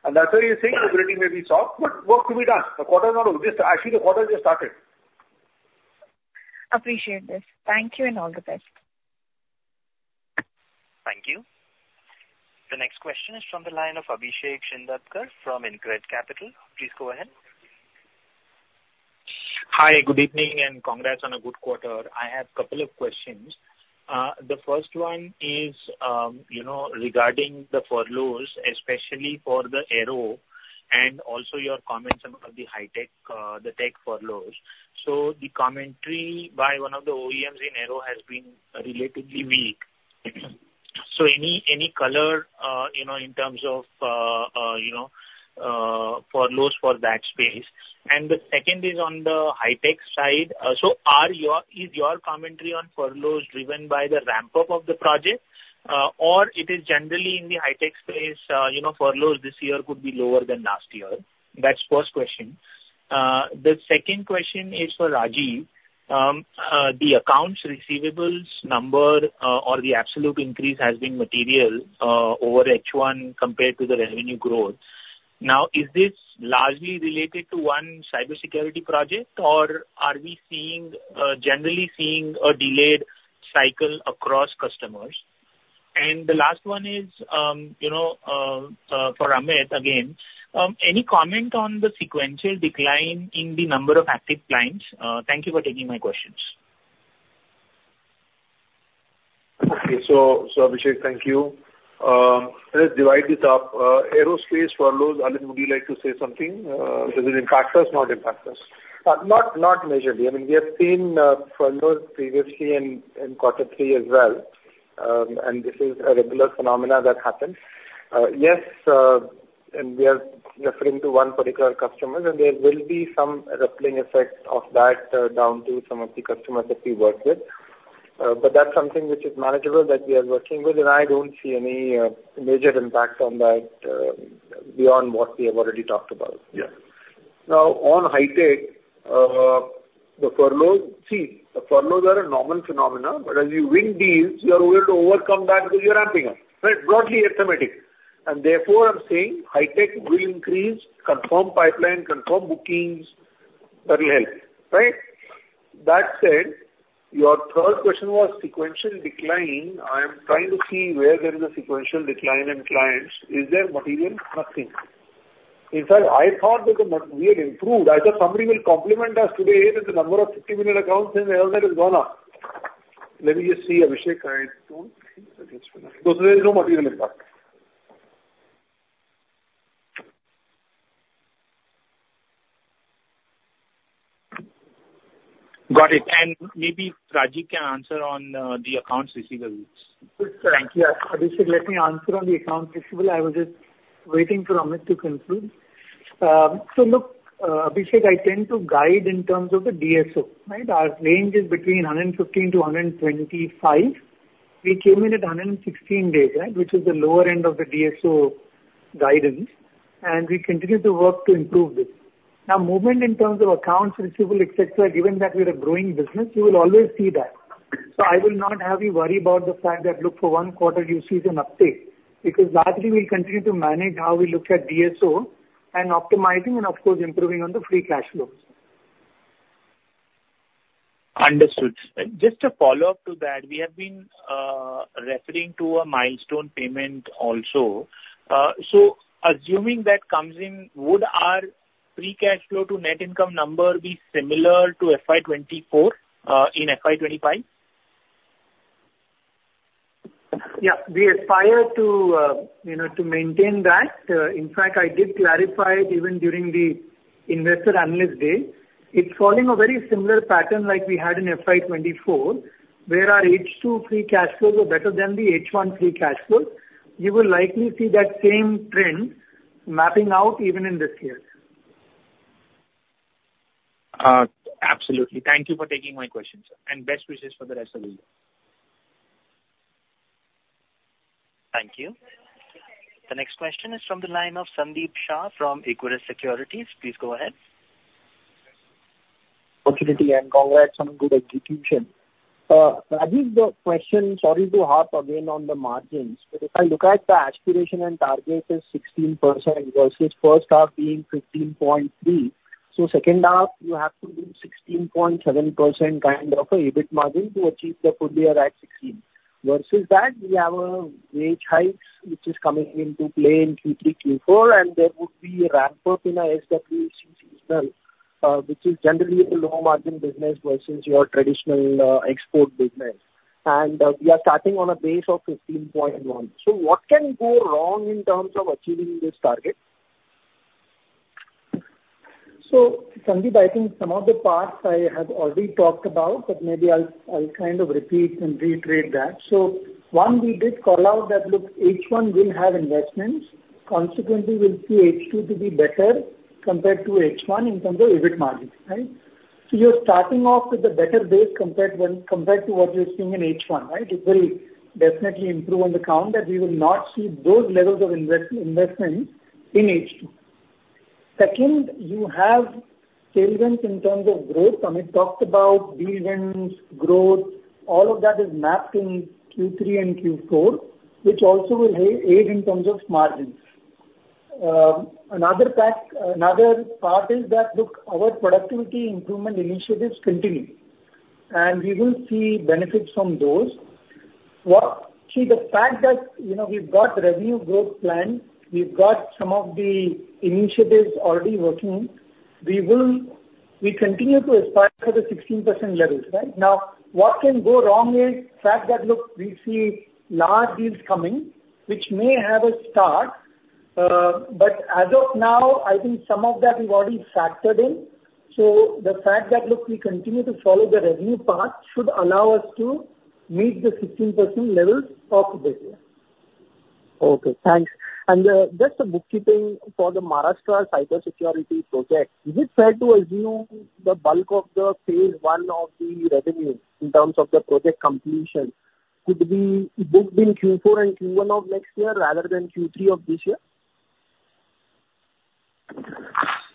C: and that's why you're saying mobility may be soft, but work to be done. The quarter not over yet. Actually, the quarter just started.
K: Appreciate this. Thank you and all the best.
A: Thank you. The next question is from the line of Abhishek Shindarkar from InCred Capital. Please go ahead.
L: Hi, good evening, and congrats on a good quarter. I have a couple of questions. The first one is, you know, regarding the furloughs, especially for the aero, and also your comments about the Hi-Tech, the tech furloughs. So the commentary by one of the OEMs in aero has been relatively weak. So any color, you know, in terms of, you know, furloughs for that space? And the second is on the Hi-Tech side. So are your, is your commentary on furloughs driven by the ramp up of the project, or it is generally in the Hi-Tech space, you know, furloughs this year could be lower than last year? That's first question. The second question is for Rajeev. The accounts receivables number, or the absolute increase has been material over H1 compared to the revenue growth. Now, is this largely related to one cybersecurity project, or are we generally seeing a delayed cycle across customers? And the last one is, you know, for Amit, again. Any comment on the sequential decline in the number of active clients? Thank you for taking my questions.
C: Okay. So Abhishek, thank you. Let's divide this up. Aerospace furloughs, Alind, would you like to say something? Does it impact us, not impact us?
M: Not majorly. I mean, we have seen furloughs previously in Q3 as well. This is a regular phenomenon that happens. Yes, and we are referring to one particular customer, and there will be some ripple effect of that down to some of the customers that we work with. But that's something which is manageable, that we are working with, and I don't see any major impact on that beyond what we have already talked about.
C: Yeah. Now, on Hi-Tech, the furloughs... See, the furloughs are a normal phenomenon, but as you win deals, you are willing to overcome that because you're ramping up, right? Broadly asymmetric, and therefore, I'm saying Hi-Tech will increase confirmed pipeline, confirmed bookings, that will help, right? That said, your third question was sequential decline. I am trying to see where there is a sequential decline in clients. Is there material? Nothing. In fact, I thought that the market we had improved. I thought somebody will compliment us today that the number of 50 million accounts in L&T has gone up. Let me just see, Abhishek. I don't think so. So there is no material impact.
L: Got it. And maybe Rajeev can answer on the accounts receivable.
D: Good. Thank you. Abhishek, let me answer on the accounts receivable. I was just waiting for Amit to conclude. So look, Abhishek, I tend to guide in terms of the DSO, right? Our range is between 115 to 125. We came in at 116 days, right? Which is the lower end of the DSO guidance, and we continue to work to improve this. Now, movement in terms of accounts receivable, et cetera, given that we are a growing business, you will always see that. So I will not have you worry about the fact that look for one quarter, you see an uptake, because largely we continue to manage how we look at DSO and optimizing and of course improving on the free cash flows.
L: Understood. Just a follow-up to that, we have been referring to a milestone payment also. So assuming that comes in, would our free cash flow to net income number be similar to FY 2024 in FY 2025?
D: Yeah. We aspire to, you know, to maintain that. In fact, I did clarify it even during the investor analyst day. It's following a very similar pattern like we had in FY 2024, where our H2 free cash flows were better than the H1 free cash flows. You will likely see that same trend mapping out even in this year.
L: Absolutely. Thank you for taking my question, sir, and best wishes for the rest of the year.
A: Thank you. The next question is from the line of Sandeep Shah from Equirus Securities. Please go ahead.
N: Opportunity and congrats on good execution. Rajeev, the question, sorry to harp again on the margins, but if I look at the aspiration and target is 16% versus first half being 15.3%. So second half, you have to do 16.7% kind of a EBIT margin to achieve the full year at 16%. Versus that, we have a wage hike which is coming into play in Q3, Q4, and there would be a ramp-up in our SWC season, which is generally a low margin business versus your traditional, export business. And, we are starting on a base of 15.1%. So what can go wrong in terms of achieving this target?
D: So Sandeep, I think some of the parts I have already talked about, but maybe I'll kind of repeat and reiterate that. So one, we did call out that, look, H1 will have investments. Consequently, we'll see H2 to be better compared to H1 in terms of EBIT margins, right? So you're starting off with a better base compared to what you're seeing in H1, right? It will definitely improve on the count, that we will not see those levels of investment in H2. Second, you have tailwinds in terms of growth. Amit talked about deals, growth, all of that is mapped in Q3 and Q4, which also will aid in terms of margins. Another fact, another part is that, look, our productivity improvement initiatives continue, and we will see benefits from those. What... See, the fact that, you know, we've got revenue growth plan, we've got some of the initiatives already working, we continue to aspire for the 16% levels, right? Now, what can go wrong is fact that, look, we see large deals coming, which may have a start, but as of now, I think some of that we've already factored in. So the fact that, look, we continue to follow the revenue path should allow us to meet the 16% levels of this year.
N: Okay, thanks. And just a bookkeeping for the Maharashtra Cybersecurity project, is it fair to assume the bulk of the phase I of the revenue in terms of the project completion could be booked in Q4 and Q1 of next year, rather than Q3 of this year?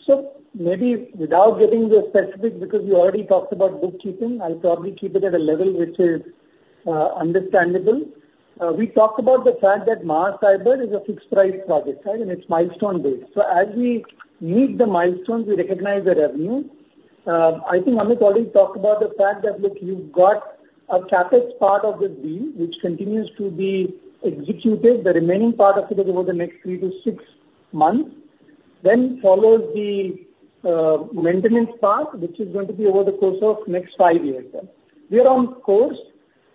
D: So maybe without getting into specifics, because we already talked about bookkeeping, I'll probably keep it at a level which is understandable. We talked about the fact that Maha Cyber is a fixed price project, right? And it's milestone-based. So as we meet the milestones, we recognize the revenue. I think Amit already talked about the fact that, look, you've got a capped part of the deal, which continues to be executed. The remaining part of it is over the next three to six months, then follows the maintenance part, which is going to be over the course of next five years. We are on course,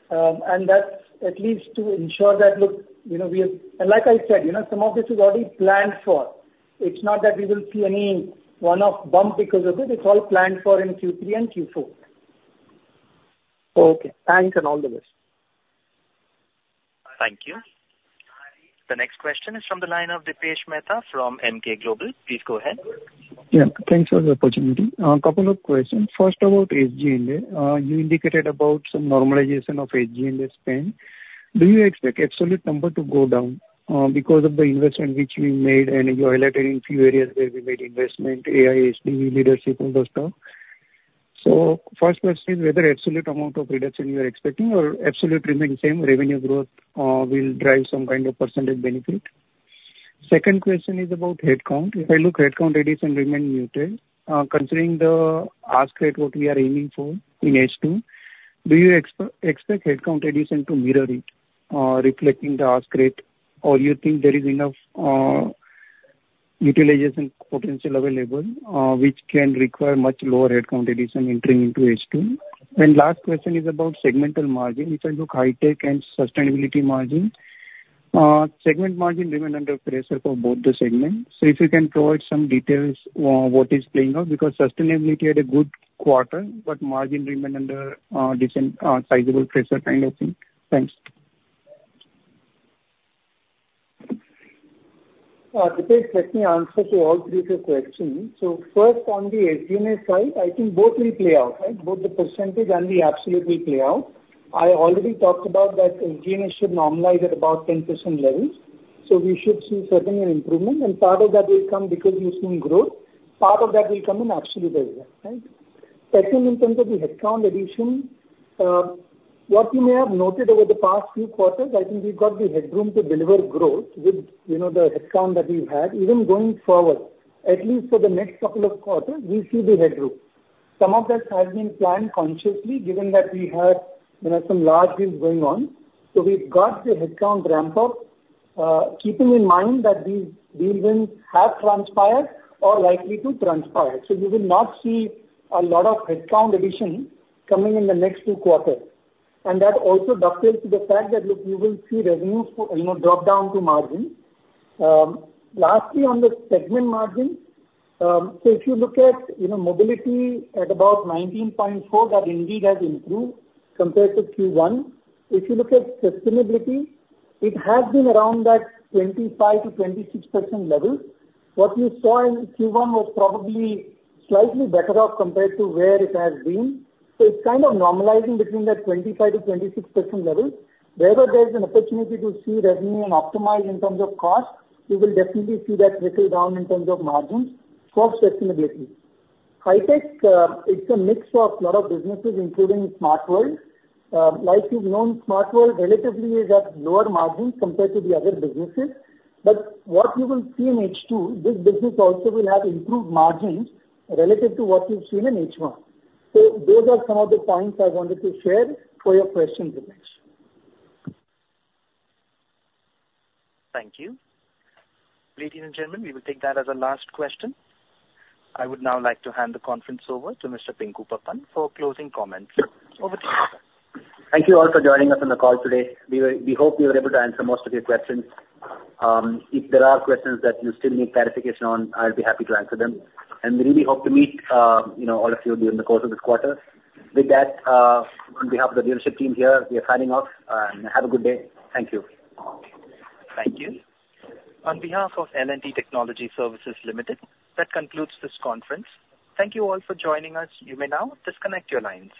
D: and that's at least to ensure that, look, you know, we are. And like I said, you know, some of this is already planned for. It's not that we will see any one-off bump because of it. It's all planned for in Q3 and Q4.
N: Okay. Thanks, and all the best.
A: Thank you. The next question is from the line of Dipesh Mehta from Emkay Global. Please go ahead.
O: Yeah, thanks for the opportunity. A couple of questions. First, about GMS. You indicated about some normalization of GMS spend. Do you expect absolute number to go down, because of the investment which we made and you highlighted in a few areas where we made investment, AI, SD, leadership, all those stuff? So first question, whether absolute amount of reduction you are expecting or absolute remain same, revenue growth will drive some kind of percentage benefit? Second question is about headcount. If I look, headcount addition remain muted, considering the ask rate, what we are aiming for in H2, do you expect headcount addition to mirror it, reflecting the ask rate? Or you think there is enough utilization potential available, which can require much lower headcount addition entering into H2? And last question is about segmental margin. If I look Hi-Tech and sustainability margin, segment margin remained under pressure for both the segments. So if you can provide some details on what is playing out, because sustainability had a good quarter, but margin remained under decent, sizable pressure kind of thing. Thanks.
D: Deepak, let me answer to all three of your questions. So first, on the GMS side, I think both will play out, right? Both the percentage and the absolute will play out. I already talked about that GMS should normalize at about 10% levels, so we should see certain improvement, and part of that will come because you're seeing growth, part of that will come in absolutely, right? Second, in terms of the headcount addition, what you may have noted over the past few quarters, I think we've got the headroom to deliver growth with, you know, the headcount that we've had. Even going forward, at least for the next couple of quarters, we see the headroom. Some of that has been planned consciously, given that we had, you know, some large deals going on. We've got the headcount ramp up, keeping in mind that these deals have transpired or likely to transpire. You will not see a lot of headcount addition coming in the next two quarters. That also dovetails to the fact that, look, you will see revenues, you know, drop down to margin. Lastly, on the segment margin, so if you look at, you know, mobility at about 19.4%, that indeed has improved compared to Q1. If you look at sustainability, it has been around that 25% to 26% level. What you saw in Q1 was probably slightly better off compared to where it has been, so it's kind of normalizing between that 25% to 26% level. Wherever there is an opportunity to see revenue and optimize in terms of cost, you will definitely see that trickle down in terms of margins for sustainability. Hi-Tech, it's a mix of a lot of businesses, including Smart World. Like you've known, Smart World relatively is at lower margins compared to the other businesses. But what you will see in H2, this business also will have improved margins relative to what you've seen in H1. So those are some of the points I wanted to share for your questions, Dipesh.
A: Thank you. Ladies and gentlemen, we will take that as our last question. I would now like to hand the conference over to Mr. Pinku Pappan for closing comments. Over to you, sir.
B: Thank you all for joining us on the call today. We hope we were able to answer most of your questions. If there are questions that you still need clarification on, I'll be happy to answer them. And we really hope to meet, you know, all of you during the course of this quarter. With that, on behalf of the leadership team here, we are signing off, and have a good day. Thank you.
A: Thank you. On behalf of L&T Technology Services Limited, that concludes this conference. Thank you all for joining us. You may now disconnect your lines.